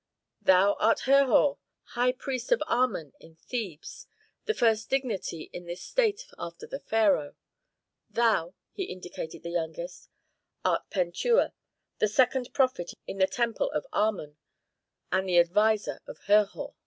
Thou art Herhor, high priest of Amon in Thebes, the first dignity in this state after the pharaoh. Thou," he indicated the youngest, "art Pentuer, the second prophet in the temple of Amon, and the adviser of Herhor."